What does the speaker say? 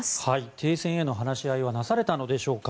停戦への話し合いはなされたのでしょうか。